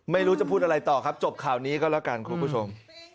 ไม่รู้จะพูดอะไรต่อครับจบข่าวนี้ก็แล้วกันคุณผู้ชม